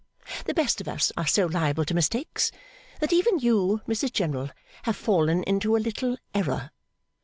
The best of us are so liable to mistakes, that even you, Mrs General, have fallen into a little error.